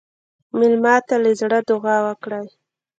مېلمه ته له زړه دعا وکړئ.